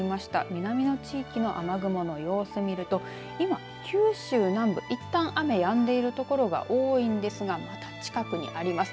南の地域の雨雲の様子を見ると九州南部、いったん雨はやんでいる所が多いんですが近くにあります。